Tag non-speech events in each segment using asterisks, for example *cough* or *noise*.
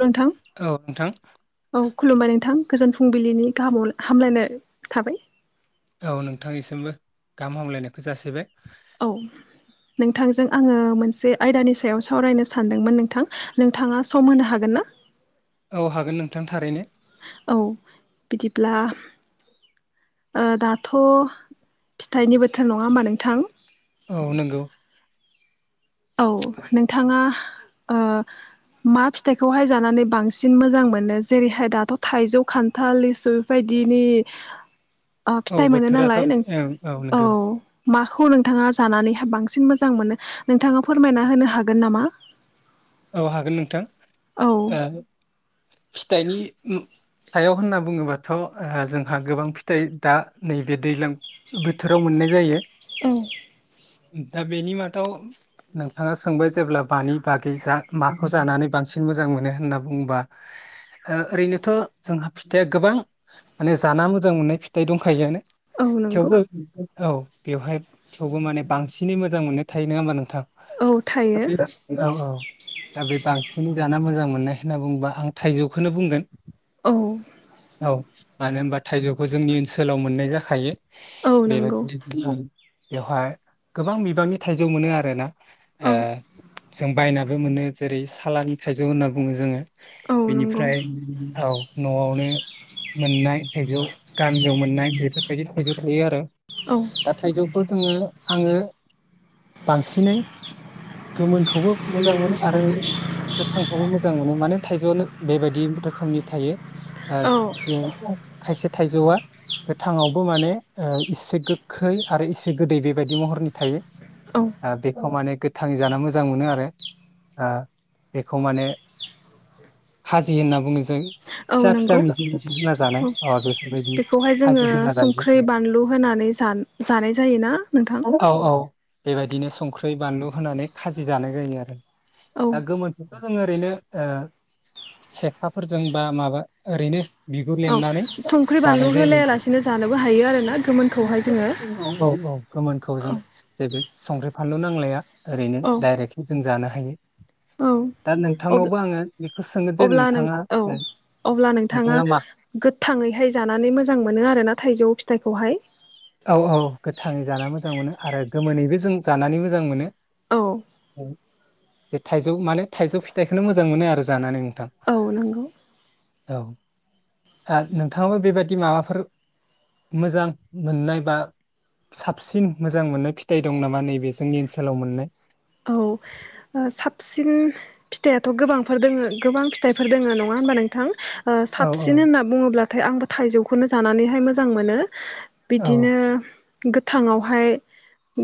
नोंथां औ नोंथां औ खुलुमबाय नोंथां। गोजोन फुंबिलिनि गाहामाव हामलायनाय थाबाय। औ नोंथांनिसिमबो गाहाम हामलायनायखौ जासिबाय। औ नोंथांजों आङो मोनसे आयदानि सायाव सावरायनो सानदोंमोन नोंथां नोंथाङा सम होनो हागोन ना। औ हागोन नों औ बिदिब्ला। ओ दाथ' फिथाइनि बोथोर नङा होमा नोंथां। औ नोंगौ। औ नोंथाङा मा ओ फिथाइखौहाय जानानै बांसिन मोजां मोनो जेरैहाय दाथ' थाइजौ खान्थाल लिसु बेफायदिनि। ओ औ फिथाइ मोनो बोथोराथ' नालाय नों ओं औ। नंगौ माखौ नोंथाङा जानानैहा बांसिन मोजां मोनो। नोंथाङा फोरमायना होनो हागोन नामा। औ हागोन नोंथां औ *unintelligible* फिथाइनि सायाव होनना बुङोबाथ' जोंहा गोबां फिथाइ दा नैबे दैज्लां बोथोराव मोननाय जायो औ दा बेनि मादाव नोंथाङा सोंबाय जेब्ला बानो बाग जा माखौ जानानै बांसिन मोजां मोनो होनना बुङोबा ओरैनोथ' जोंहा फिथाइआ गोबां माने जाना मोजां मोननाय फिथाइ दंखायोआनो औ नंगौ थेवबो औ बेवहाय थेवबो माने बांसिनै मोजां मोननाय थायो नङा होमबा नोंथां औ थायो बे औ औ दा बे बांसिनै जाना मोजां मोननाय होनना बुंङोबा आं थाइजौखौनो बुंगोन औ औ मानो होमबा थाइजौखौ जोंनि ओनसोलाव मोननाय जाखायो औ नंगौ बेबायदि बेवहाय गोबां बिबांनि थाइजौ मोनो आरोना औ जों बायना बो मोनो जेरै सालानि थाइजौ होनना बुङो जोङो औ नंगौ बेनिफ्राय औ न'आवनो मोननाय थैजौ गामजौ मोननाय बेफोरबायदि थैइजौ थायो आरो औ दा थाइजौफोर दोङो आङो बांसिनै गोमोनखौबो मोजां मोनो आरो गोथांखौबो मोजां मोनो माने थाइजौआनो बेबायदि रोखोमनि थायो औ ज खायसे थाइजौआ गोथांावबो माने इसे गोखै आरो इसे गोदै बेबायदि महरनि थायो औ बेखौ माने गोथांखौ जानो मोजां मोनो आरो बेखौ माने खाजि होनना बुङो जों औ फिसा फिसा नंगौ मि औ मि *unintelligible* बेखौहाय जोङो संख्रि बानलु होनानै जानाय जायोना नोंथां औ औ बेबायदिनो संख्रि बानलु होनानै खाजि दानाय जायो आरो औ दा गोमोनथ' जों ओरैनो सेखाफोरजों बा माबा ओरैनो बिगुर औ लेमनानै संख्रि बानलु जानाय जायो होलायालासिनो जानोबो हायो आरोना गोमोनखौहाय जोङो औ औ औ गोमोनखौ जों औ जे बे संख्रि फानलु नांलाया ओरैनो औ डायरेक्ट जों जानो हायो औ दा नोंथांनावबो आङो बेखौ सोङो दे अब्ला नों नोंथाङा औ अब्ला नोंथाङा गोथाङैहाय जानानै मोजां मोनो आरोना थाइजौ फिथाइखौहाय औ औ गोथाङै जाना मोजां मोनो आरो गोमोनैबो जों जानानै मोजां मोनो औ थाइजौ माने थाइजौ फिथाइखौनो मोजां मोनो आरो जानानै नोंथां औ नंगौ औ आरो नोंथाङाबो बेबाददि माबाफोर मोजां मोननाय बा साबसिन मोजां मोननाय फिथाइ दं नामा नैबे जोंनि ओनसोलाव मोननाय औ साबसिन फिथाइथ' गोबांफोर दङ गोबां फिथाइफोर दोङ नङा होनबा नोंथां औ साबसिन होनना बुङोब्लाथाय आंबो थाइजौखौनो जानानैहाय मोजां मोनो औ बिदिनो गोथांवहाय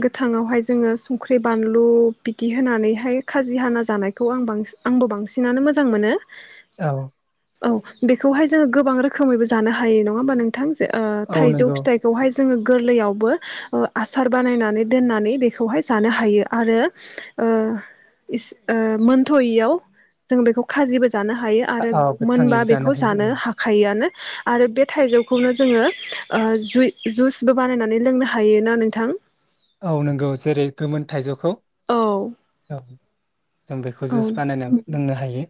गोथांवहाय जोङो संख्रि बानलु बिदि होनानैह माय खाजि हाना जानायखौ आं बांसि आंबो बांसिनानो मोजां मोनो औ औ बेखौहाय जोङो गोबां रोखोमैबो जानो हायो नङा होमबा नोंथां ज औ थाइजौ नंगौ फिथाइखौहाय जोङो गोरलैयावबो आसार बानायनानै दोननानै बेखौहाय जानो हायो आरो मोनथ'यैयाव जों बेखौ खाजिबो जानो हायो आरो औ मोनबा गोथाङैबो बेखौ हायो जानो औ हाखायोआनो आरो बे थाइजौखौनो जोङोइ जुइसबो बानायनानै लोंनो हायोना नोंथां औ नंगौ जेरै गोमोन थाइजौ खौ औ जों बेखौ औ जुस बानायनानै लोंनो हायो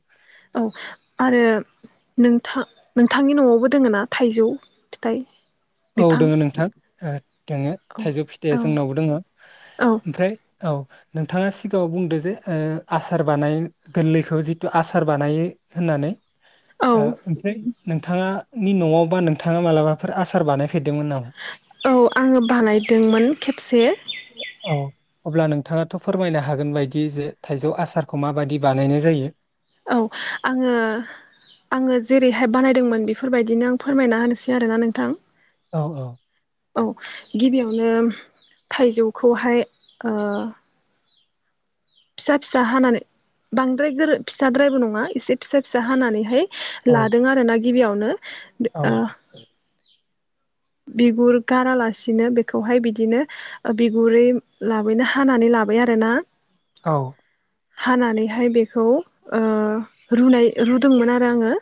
औ आरो नोंथां नोंथांनि न'आवबो दोङ ना थाइजौ फिथाइ औ बिफां दोङ नोंथां औ दोङो औ थाइजौ फिथाइया औ जोंनावबो दोङो औ ओमफ्राय औ नोंथाङा सिगाङाव बुंदो जे आसार बानाय गोरलैखौ जिथु आसार बानायो होननानै औ ओमफ्राय नोंथाङानि न'आव बा नोंथाङा मालाबाफोर आस सार बानाय औ आङो बानायदोंमोन खेबसे औ अब्ला नोंथाङाथ' फोरमायनो हागोन बायदि जे थाइजौ आसारखौ माबायदि बानायनाय जायो औ आङो आङो जेरैहाय बानायदोंमोन बेफोरबायदिनो आं फोरमायना होनोसै आरोना नोंथां औ औ औ गिबियावनो थाइजौखौहाय फिसा फिसा हानानै बांद्राय गोर फिसाद्रायबो नङा एसे फिसा फिसा हानानैहाय औ लादों आरो ना गिबियावनो द औ बिगुर गारालासिनो बेखौहाय बिदिनो बिगुरै लाबायनो हानानै लाबाय आरोना औ। हानानैहाय बेखौ रुदोंमोन आरो आङो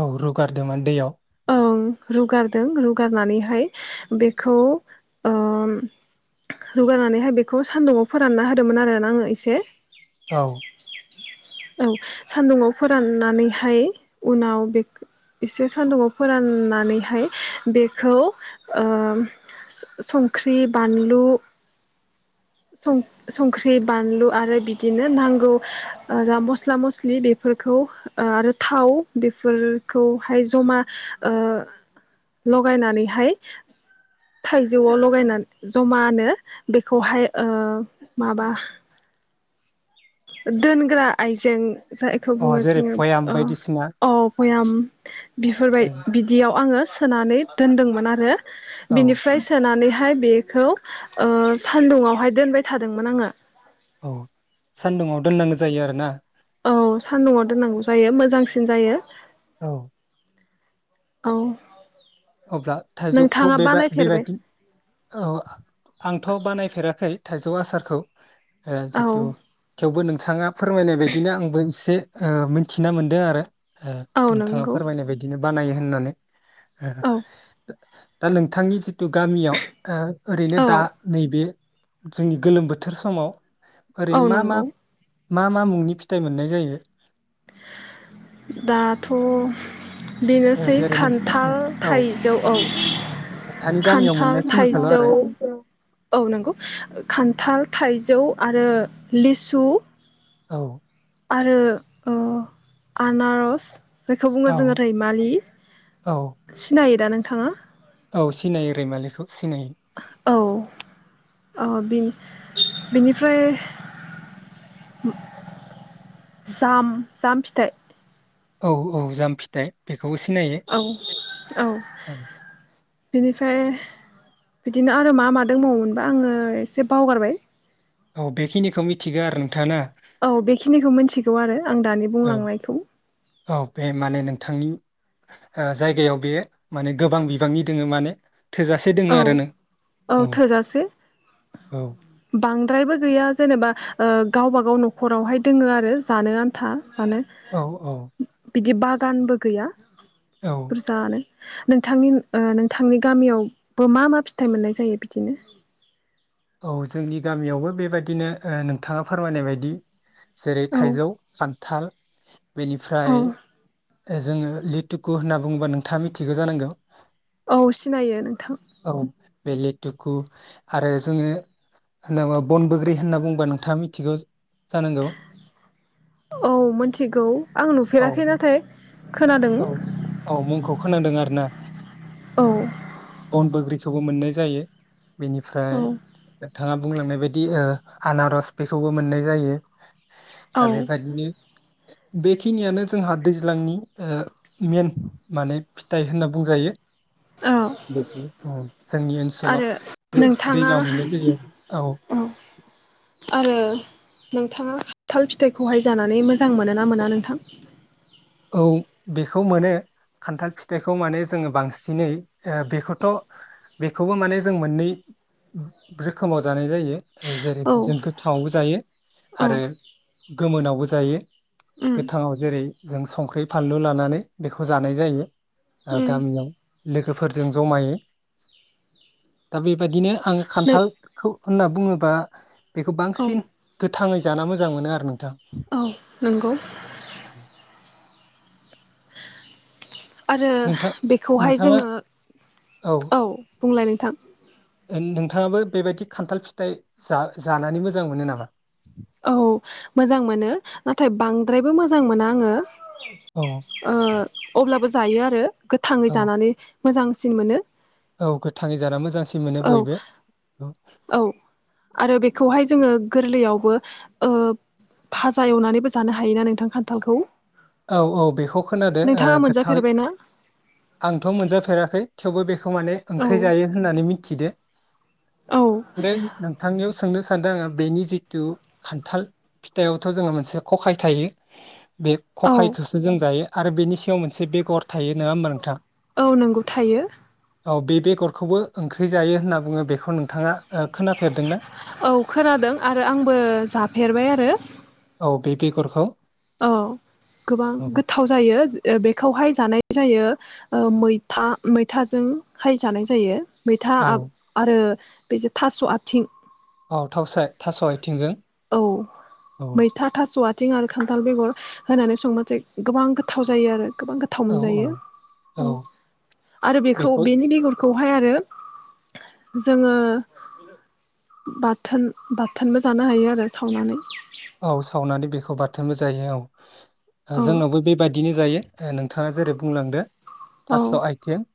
औ रुगारदोंमोन दैयाव ओ रुगारदों रुगारनानैहाय बेखौ रुगारनानैहाय बेखौ सान्दुंङाव फोरानना होदोंमोन आरोना आङो एसे औ। ओं सान्दुंङाव फोराननानैहाय उनाव बे एसे सान्दुङाव फोराननानैहाय बेखौ ओ संख्रि बानलु संख्रि बानलु आरो बिदिनो नांगौ ओ मस्ला-मस्लि बेफोरखौ आरो थाव बेफोरखौहाय जमा ओ लगायनानैहाय थाइजौआव लगायनानै जमानो बेखौहाय माबा दोनग्रा आइजें जायखौ अ बुङो जेरै जोङो भयाम बायदिसिना ओ अ बयाम बिफोरबाय ओ, बिदियाव आङो सोनानै दोन्दोंमोन आरो। औ बिनिफ्राय सोनानैहाय बे खौ ओ‌ सान्दुंआवहाय दोनबाय थादोंमोन आङो। औ सान्दुुंआव दोननांगो जायो आरोना? औ सान्दुंआव दोननांगौ जायो मोजांसिन जायो। औ। औ। अब्ला थाइजौखौ नोंथाङा बे बानायफेरबाय बेबादि औ आंथ बानायफेराखै। थाइजौ आसारखौ ओ‌ औ जितु थेवबो नों नोंथाङा फोरमायनाय बायदिनो आंबो एसे ओ मिथिना मोन्दों आरो ओ औ नोंथाङा नंगौ फोरमायनाय बायदिनो बानायो होननानै। ओह औ दा नोंथांनि जिहेथु गामियाव ओ ओरैनो औ दा नैबे जोंनि गोलोम बोथोर समाव औ ओरैनो मा मा नंगौ मा मा मुंनि फिथाइ मोननाय जायो? दाथ' ओ बेनोसै जेरै नोंसिना खान्थाल औ थाइजौ औ नोंथानि गामियाव खान्थाल मोननाय खिनिखौल' थाइजौ आरो औ नोंगौ खान्थाल थाइजौ आरो लिसु औ। आरो ओ‌ आनारस जायखौ बुङो औ जोंङो रैमालि औ सिनायो दा नोंथाङा औ सिनायो रैमालिखौ सिनायो। औ औ बे बेनिफ्राय जाम जाम फिथाइ। औ औ जामफिथाइ बे औ औ। औ बिनिफ्राय बिदिनो आरो मा मादोंबावोमोनबा आङो एसे बावगारबाय औ बेखिनिखौ मिथिगौ आरो नोंथाङा ना औ बेखिनिखौ मिथिगौ आरो आं दानि औ बुंलांनायखौ औ बे माने नोंथांनि‌ ओ जायगायाव बे माने गोबां बिबांनि दङो माने थोजासे दङो औ आरोना औ औ द्रायबो गैया जेनेबा गावबागाव न'खरावहाय दंङो आरो जानो आन्था औ औ *inaudible* बिदि बागानबो गैया औ जानो नोंथांनि नोंथांनि गामियाव मा मा फिथाइ मोननाय जायो बिदिनो औ जोंनि गामियावबो बेबायदिनो नोंथाङा फोरमायनाय बायदि जेरै औ थाइजौ खान्थाल औ बेनिफ्राय जोङो लिटुकु होनना बुङोबा नोंथाङा मिथिगौ जानांगौ औ सिनायो नोंथां औ बे लेथुकु आरो जोंङो होनाबा बन बग्रि होनना बुंङोबा नोंथांङा मिथिगौ जानांगौ औ मिथिगौ आं औ नुफेराखै बे नाथाय खोनादों औ औ मुंखौ खोनादों आरो ना औ बन बग्रिखौबो मोननाय जायो बेनिफ्राय औ नोंथांङा बुंलांनाय बायदि आनारस बेखौबो मोननाय जायो औ दा बेबायाददिनो बेखिनियानो जोंहा दैज्लांनि मेन माने फिथाइ होनना बुंजायो। औ बे औ जोंनि ओनसोलाव आरो नोंथाङा दैज्लां मोननाय जायो औ आरो नोंथाङा खान्थाल फिथाइखौहाय जानानै मोजां मोनो ना मोना नोंथां? औ बेखौ मोनो खान्थाल फिथाइखौ माने जोंङो बांसिनै बेखौथ बेखौबो माने जों मोननै रोखोमाव जानाय जायो। जेरै औ जों गोथांङावबो जायो औ आरो गोमोनावबो जायो उम गोथांङाव जेरै जों संख्रि फानलु लानानै बेखौ जानाय जायो। ओ उम गामियाव लोगोफोरजों जमायो दा बेबादिनो आंङो नों खान्थालखौ होनना बुंङोबा बेखौ औ बांसिन गोथांङै जानो मोजां मोनो आरो नोंथां औ नंगौ आरो नोंथां बेखौहाय नोंथाङा जोंङो औ बुंलाय नोंथां नोंथाङाबो बेबायदि खान्थाल फिथाइ जानानै मोजां मोनो नामा? औ मोजां मोनो नाथाय बांद्रायबो मोजां मोना आङो। औ अब्लाबो जायो आरो गोथाङै औ जानानै मोजांसिन मोनो औ गोथाङै जाना मोजांसिन मोनो औ बयबो औ औ आरो बेखौहाय जोङो गोरलैयावबो ओ फाजा एवनानैबो जानो हायोना नोंथां खान्थालखौ औ औ बेखौ खोनादो नोंथाङा गोथां मोनजाफेरबायना आंथ' मोनजाफेराखै थेवबो बे बेखौ माने औ ओंख्रि जायो होननानै मिथि थिदो औ *unintelligible* नोंथांनियाव सोंनो सान्दों आङो बेनि जिथु खान्थाल फिथायावथ' जोङो मोनसे खखाय थायो बे औ खखायखौसो जों जायो आरो बेनि सायाव मोनसे बेगर थायो नङा होमबा नोंथां औ नंगौ थायो औ बे बेगरखौबो ओंख्रि जायो होनना बुङो बेखौ नोंथाङा खोनाफेरदोंना औ खोनादों आरो आंबो जाफेरबाय आरो औ बे बेगरखौ औ गोबां औ गोथाव जायो बेखौहाय जानाय जायो मैथा मैथाजों हाय जानाय जायो मैथा औ आरो बेजों थास' आथिं औ थाव थास' आथिंजों औ औ मैथा *unintelligible* खान्थाल बेगर होनानै संबाथाय गोबां गोथाव जायो आरो गोबां गोथाव औ मोनजायो औ औ आरो बेखौ बेनि बेगरखौ खौहाय आरो जोङो बाथोन बाथोनबो जानो हायो आरो सावनानै औ सावनानै बेखौ बाथोनबो जायो औ औ जोंनावबो बेबायदि बिदिनो जायो नोंथाङा जेरै बुंलांदो औ थास' आइथिं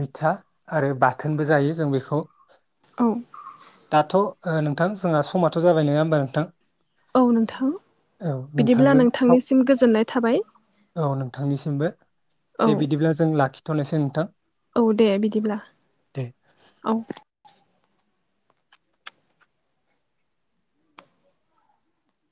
मैथा आरो बाथोनबो जायो जों बेखौ औ दाथ' नोंथां जोंहा समथ' जाबाय नङा होमबा नोंथां औ नोंथां औ बिदिब्ला नोंथांजों स नोंथांनिसिम गोजोननाय थाबाय औ नोंथांनिसिमबो औ दे बिदिब्ला जों लाखि थनोसै नोंथां औ दे बिदिब्ला दे औ